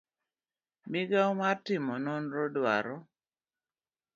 migawo mar timo nonro dwaro